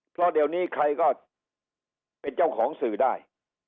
เพราะเดี๋ยวนี้ใครก็เป็นเจ้าของสื่อได้